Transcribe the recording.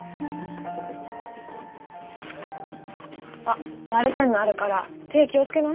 あっ割れてんのあるから手気を付けな。